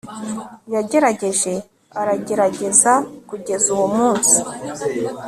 yagerageje aragerageza kugeza uwo munsi